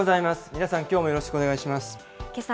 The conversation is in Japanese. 皆さんきょうもよろしくお願いしけさ